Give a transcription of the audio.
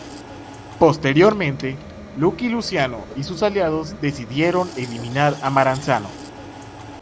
Posteriormente, Lucky Luciano y sus aliados decidieron eliminar a Maranzano.